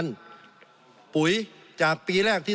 สงบจนจะตายหมดแล้วครับ